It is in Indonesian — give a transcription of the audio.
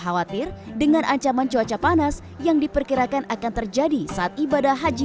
khawatir dengan ancaman cuaca panas yang diperkirakan akan terjadi saat ibadah haji